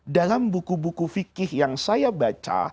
dalam buku buku fikih yang saya baca